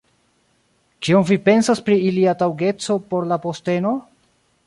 Kion vi pensas pri ilia taŭgeco por la posteno?